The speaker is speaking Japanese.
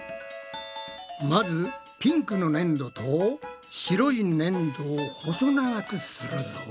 まずピンクのねんどと白いねんどを細長くするぞ。